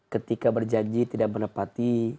ketika berjanji tidak menepati